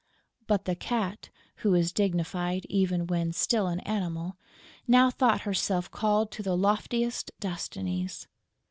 But the Cat, who was dignified even when still an animal, now thought herself called to the loftiest destinies.